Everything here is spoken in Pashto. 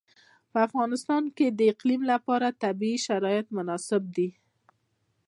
په افغانستان کې د اقلیم لپاره طبیعي شرایط مناسب دي.